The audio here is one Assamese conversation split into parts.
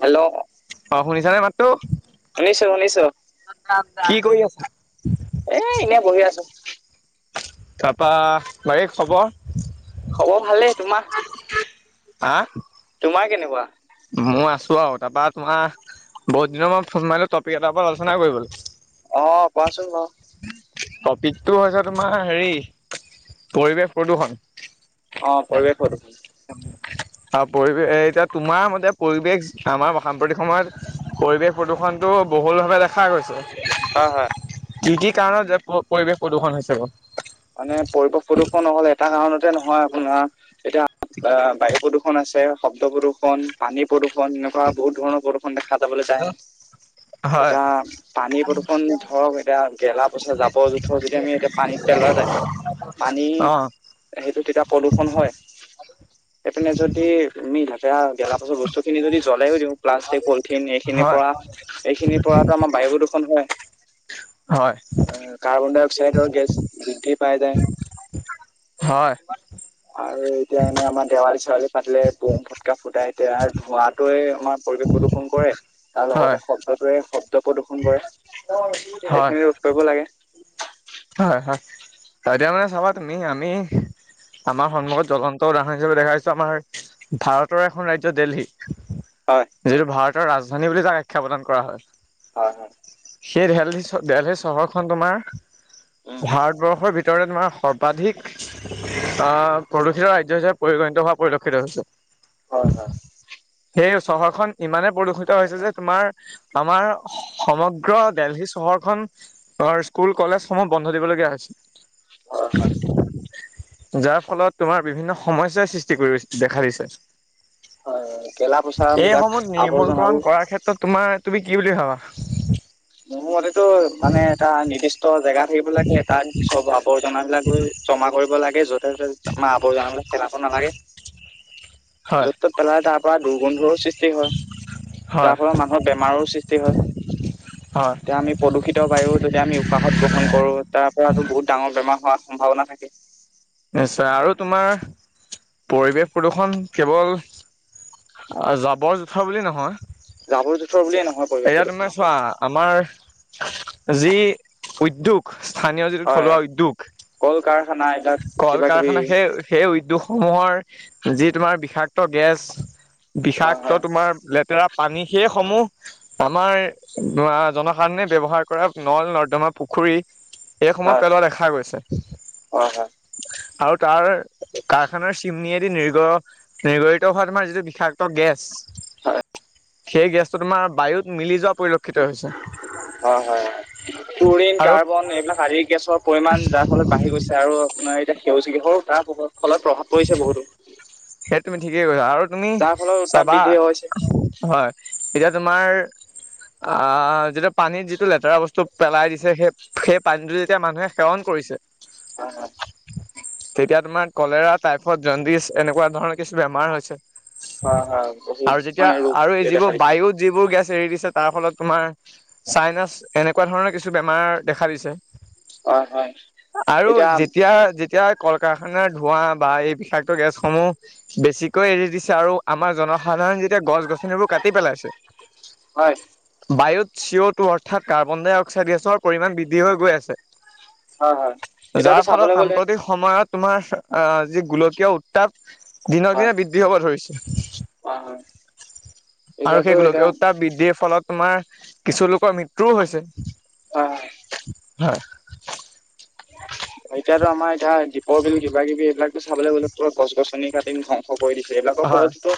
হেল্ল' অ শুনিছানে মাততো শুনিছো শুনিছো কি কৰি আছা? এ এনেই বহি আছো তাৰপা বাৰ খবৰ হ'ব ভালেই তোমাৰ হ তোমাৰ কেনেকুৱা মই আছো আৰু তাৰপা তোমাৰ বহুত দিনৰ মই ফোন মাৰিলো টপিক এটাৰ ওপৰত আলোচনা কৰিবলৈ আহ কোৱাচোন ব টপিকটো হৈছে তোমাৰ হেৰি পৰিৱেশ প্ৰদূৰষণ অ পৰিৱেশ হয়টো অ পৰিৱেশ এতিয়া তোমাৰ মতে পৰিৱেশ আমাৰ সাম্প্ৰতিক সময়ত পৰিৱেশ প্ৰদূষণটো বহুলভাৱে দেখা গৈছে হয় হয় য কি কাৰণত যে পৰিৱেশ প্ৰদূষণ হৈছে ব মানে পৰিবেশ প্ৰদূষণ নহল এটা কাৰণতে নহয় আপোনাৰ এতিয়া অ বায়ু প্ৰদূষণ আছে শব্দ প্ৰদূষণ পানী প্ৰদূষণ এনেকুৱা বহুত ধৰণৰ প্ৰদূষণ ফ দে খাতাবলৈ যায় হয় এতিয়া পানী প্ৰদূৰ্ষণ ধৰক এতিয়া গেলা পছা জাবৰ জোথৰ যদি আমি এতিয়া পানীত পেলোৱা যায় পানী অ সেইটো তেতিয়া প্ৰদূষণ হয় সেইপিনে যদি আমি ঢাকেৰা গেলা পাছত বস্তু খিনি যদি জ্বলোইও দিওঁ প্লাষ্টিক পলিথিন এইখিনিৰ হয় পৰা এইখিনিৰ পৰাতো আমাৰ বায়ু প্ৰদূষণ হয় হয় কাৰ্বন ডাই অক্সাইডৰ গেছ বৃদ্ধি পাই যায় হয় আৰু এতিয়া মানে আমাৰ দেৱালী চেৱালি পাতিলে বৌম ফুটকা ফুটাই এতিয়া ধোঁৱাতোৱে আমাৰ পৰিৱেশ ফু শং কৰেড় তাৰ হয় লগতে শব্দটোৱে শব্দ প্ৰদূ্ষন কৰে হয় এইখিনি ইউজ কৰিব লাগে হয় হয় এতিয়া মানে চাবা ত নি আম আমাৰ সন্মুখত জ্বলন্ত উদাহৰণ হিচাপে দেখাাইছো আমাৰ ভাৰতৰ এখন ৰাজ্য দেল্হী হয়, যিেতটো ভাৰতৰ ৰাজধানী বুলি তাক আখ্যা প্ৰদান কৰা হয় হয় হয় সেই দি চহৰখনন তোমাৰ উম, ভাৰতবৰ্ষৰ ভিত ভোমাৰ সৰ্বাধিক আহ প্ৰদূষিত ৰাজ্য হিচাপে পৰিগণিত হোৱা পৰিলক্ষিত হৈছে হয় হয় সেই চহৰখন ইমানে প্ৰদূষিত হৈছে যে তোমাৰ আমাৰ সমগ্ৰ দেলহি চহৰ অ স্কুল কলেজসমূহ বন্ধ দিবলগীয়া হৈছিল অ হয় যাৰ ফলত তোমাৰ বিভিন্ন সমস্যয়াৰ সৃষ্টি কৰি দেখা দিছে হয়। গেলা-পচাবিলাক এইসমূহ আৱৰ্জনাবোৰ নিৰ্মূলকৰণ কৰাৰ ক্ষেত্ৰত তোমাৰ তুমি কি বুলি ভাবা। মোৰ মতেটো মানে এটা নিৰ্দিষ্ট জেগা থাকিব লাগে এটা সভাৱৰ। জনাবলাক গৈ জমা কৰিব লাগে য'তে ততে মাহ আব জনাবিলাক পেলাব নালাগে। হয় য'ত ত'ত পেলাই তাৰ পৰাৰা দুৰ্গন্ধত হয় হয়। যাৰ ফলত মানুহৰ বেমাৰো সৃষ্টি হয়। হয় এতিয়া আমি প্ৰদূষিত বায়ু যদি আমি উশাহত গ্ৰহণ কৰো তাৰ ৰাতো বহুত ডাঙৰ বেমাৰ হোৱাৰ সম্ভাৱনা থাকে। নিশ্চয় আৰু তোমাৰ পৰিৱেশ প্ৰদূৰ্ষন কেৱল জাবৰ জোথা বুলি জাবৰ জোথৰ বুলিয়ে নহয়। নহয় পৰিৱেশ এয়া প্ৰদূষণ তুমে অকল চোৱা আমাৰ যি উদ্যোগ স্থানীয় যিটো হয় থলুৱা উদ্যোগ। কল কাৰখানা এইবিলাক কল কিবা কিবি কাৰখানা সেই সেই উদ্যোগ সমূহৰ যি তোমাৰ বিষাক্ত গেছ হয় বিষাক্ত হয় তোমাৰ লেতেৰা পানী সেই সমূহ আমাৰ জনসাধাৰণে ব্যৱ্হাৰ কৰা নল নৰ্দমা পুখুৰ। পু খুৰী এইসময়ত পেলোৱা দেখা গৈছে। হয় হয়। আৰু তাৰ কাৰখানাৰ চিমনিয়েদি নিৰ্গ নিৰ্গৰিত হোৱা তোমাৰ যিটো বিষাক্ত গেছ। হয়। সেই গেছটো তোমাৰ বায়ুত মিলি যোৱা পৰিলক্ষিত হৈছে। হয় হয় হয়। ক্লোৰিন আৰু কাৰ্বন এইবিলাক শাৰীৰিক গেছৰ পৰিমাণ যাৰ ফলত বাঢ়ি গৈছে আৰু। আপমাৰ এতিয়া সেউজীয়া কিহৰ তাৰ ফলত প্ৰভাৱ পৰিছে বহুতো। সেই তুমি ঠিকেই কৈছা আৰু তুমি যাৰ ফলত উত্তাপ চাবা বৃদ্ধি হৈছে। হয় এতিয়া। তোমাৰ। অ যতিয়া পানীত যিটো লেতেৰা বস্তু পেলাই দিছে সেই সেই পানীতটো যেতিয়া মানুহে সেৱন কৰি। কৰিছে। অ। তেতিয়া তোমাৰ কলেৰা টাইফড জণ্ডিছ এনেকুৱা ধৰণৰ কিছু বেমাৰ হৈছে। হয় হয় বহুত আৰু যেতিয়া মানে ৰোগ আৰু এই দেখা যিবোৰ দিছে বায়ুত যিবোৰ গেছ এৰি দিছে। তাৰ ফলত তোমাৰ চাইনাছ এনেকুৱা ধৰণৰ কিছু বেমাৰ দেখা দিছে। হয় হয়। আৰু এতিয়া যেতিয়া যেতিয়া। কল কাৰখানাৰ ধোঁৱা বা এই বিষাক্ত গেছসমূহ বেছিকৈ এৰি দিছে আৰু। আমাৰ জনসাধাৰণ যেতিয়া গছ গছনিবোৰ কাটি পেলাইছে হয় বায়ুত। চিঅ' টো অৰ্থাৎ কাৰ্বন ডাই অক্সাইড গেছৰ পৰিমাণ বৃদ্ধি হৈ গৈ আছে। হয় হয় এতিয়াতো যাৰ চাবলৈ ফলত গ'লে সাম্প্ৰতিক সময়ত। তোমাৰ আহ যি গোলকীয় উত্তাপ দিনক হয় দিনে বৃদ্ধি হব ধৰিছে। হয় হয় আৰু এতিয়াতো সেই এতিয়া গোলকীয়তটাপ বৃদ্ধিৰ ফলত তোমাৰ কিছু লোকৰ মৃত্যুও হৈছে। অ। [unintelligible] এতিয়াতো আমাৰ এতিয়া দীপৰ বিল কিবা দিন ধ্বংস কৰি দিছে এইবিলাকৰ হয় ফলতোতো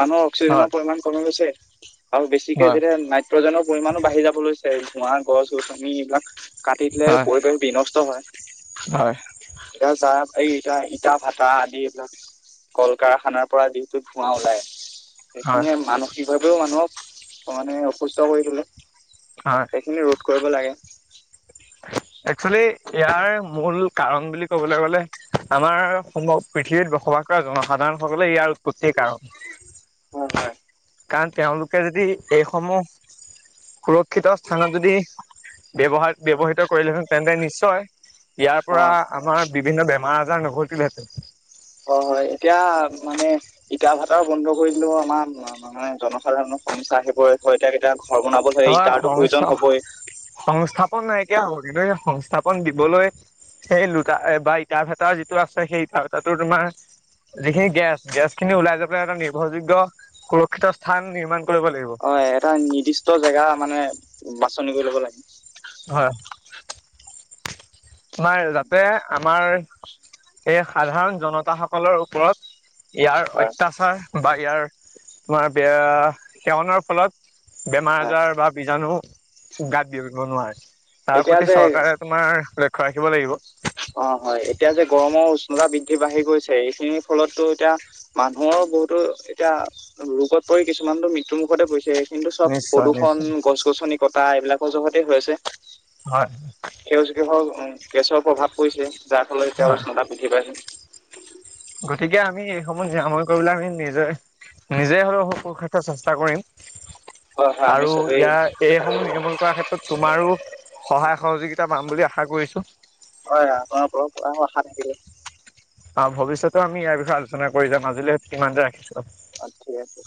মানুহৰ অক্সিজেনৰ হয় পৰিমাণ কমি গৈছে। আৰু বেছিকে হয় যেতিয়া নাইট্ৰজেনৰ পৰিমাণো বাঢ়ি যাব লৈছে। ঘোৱা গছ গছ আনি এইবিলাক কাটি দিলে হয় পৰিৱেশ বিনষ্ট। হয় হয় সেইকাৰণ চাহ। এই ইতা ইটা ভাটা আদি এইবিলাক কল কাৰখানাৰ পৰা যিহেতু ধোঁৱা ওলাই। হয় সেইখিনিয়ে মানসিকভাৱেও মানুহক মানে অসুস্থ কৰি তোলে। হয় সেইখিনি ৰোধ কৰিব লাগে। একচেলি ইয়াৰ মূল কাৰণ বুলি ক'বলৈ গ'লে আমাৰ পৃথিৱীত। বসবাস কৰা জনসাধাৰণসকলে ইয়াৰ উৎপত্তিৰ কাৰণ হয় হয় কাৰণ। তেওঁলোকে যদি এইসমূহ। সুৰক্ষিত স্থানত যদি ব্যৱহাৰ। কৰিলেন তেন্তে নিশ্চয় ইয়াৰ পৰা অ আমাৰ বিভিন্ন বেমাৰ আজাৰ নঘটিলহেতেন। হয় হয় এতিয়া মানে ইটা ভাটাৰ বন্ধ কৰি দিলো আমাৰ মানে জনসাধাৰণৰ। সমস্যা আহিব হয় এতিয়া কেতিয়া। অ সংস্থ সংস্থাপন নাইকিয়া হ'ব কিন্তুয়। সংস্থাপন দিবলৈ। সেই লোটা বা ইটা ভেটা যিটো আছে সেই ইটা ভেটাটো তোমাৰ। যিখিনি গেছ গেছ খিনি ওলাই যাব পেলাই এটা নিৰ্ভৰযোগ্য সুৰক্ষিত স্থান নিৰ্মাণ। কৰিব লাগিব অ এটা নিৰ্দিষ্ট জেগা মানে বাছনি কৰি লব লাগে। হয় আমাৰ যাতে আমাৰ এই সাধাৰণ জনতা সকলৰ ওপৰত। ইয়াৰ হয় অত্যাচাৰ বা ইয়াৰ তোমাৰ বেয়া সেৱনৰ ফলত। বেমাৰ হয় আজাৰ বা বীজাণু গাত বিয়পিব নোৱাৰে। তাৰ এতিয়া প্ৰতি যে চৰকাৰে তোমাৰ লক্ষ্য ৰাখিব লাগিব। অ হয় এতিয়া যে গৰমৰ উষ্ণতা বৃদ্ধি বাঢ়ি গৈছে এইখিনিৰ ফলতো এতিয়া মানুহৰ। অ বহুতো এতিয়া ৰোগত পৰি কিছুমানতো মৃত্যু মুখতে পৰিছে কিন্তু চব নিশ্চয় প্ৰদূষণ নিশ্চয় গছ গছনি কটা এইবিলাকৰ জগতে হৈ আছে। হয় সেউজগৃহৰ গেছৰ প্ৰভাৱ পৰিছে। যাৰ ফালে এতিয়া হয় উষ্ণতা বৃদ্ধি পাইছে। গতিকে আমি এইসমূহ নিৰাময় কৰিবলৈ আমি নিজে নিজে হলেও সু সুৰক্ষাৰ্থ চেষ্টা কৰিম। হয় হয় আমি আৰু চবেই ইয়াৰ আৰু এইসমূহ নিৰ্মূল কৰাৰ ক্ষেত্ৰত তোমাৰো সহায় সহযোগিতা মান বুলি আশা কৰিছো হয় আপোনাৰ ওপ পৰা আশা থাকিলে অ ভৱিষ্যতো আমি ইয়াৰ বিষয়ে আলোচনা কৰি যাম আজিলৈ ইমানতে ৰাখিছো। ঠিক আছে